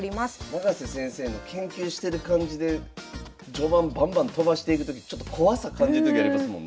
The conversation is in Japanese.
永瀬先生の研究してる感じで序盤バンバンとばしていくときちょっと怖さ感じるときありますもんね。